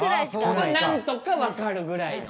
は何とかわかるぐらいの。